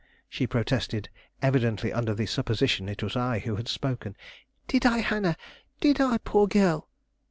she protested, evidently under the supposition it was I who had spoken. "Did I, Hannah, did I, poor girl?"